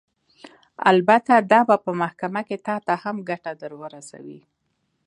البته دا به په محکمه کښې تا ته هم ګټه درورسوي.